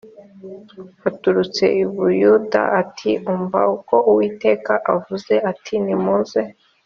waturutse i buyuda ati umva uko uwiteka avuze ati nimuze